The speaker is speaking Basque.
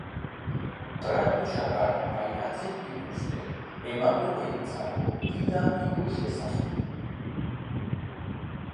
Tratu txarrak pairatzen dituzten emakumeentzako gida ikus ezazu.